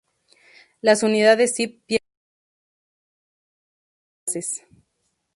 Las unidades Zip vienen en una amplia variedad e interfaces.